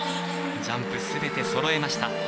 ジャンプすべてそろえました。